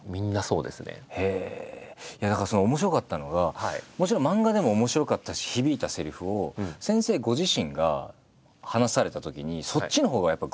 だから面白かったのがもちろん漫画でも面白かったし響いたせりふを先生ご自身が話されたときにそっちのほうがやっぱぐっとくるんですよ。